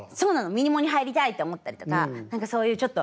「ミニモニ。入りたい」って思ったりとか何かそういうちょっと。